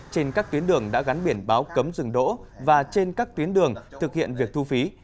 trên các tuyến đường đã gắn biển báo cấm dừng đỗ và trên các tuyến đường thực hiện việc thu phí